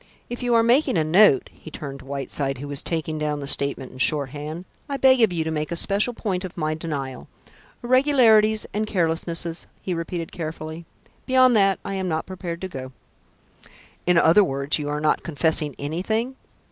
If you are making a note" he turned to Whiteside, who was taking down the statement in shorthand, "I beg of you to make a special point of my denial. Irregularities and carelessnesses," he repeated carefully. "Beyond that I am not prepared to go." "In other words, you are not confessing anything?"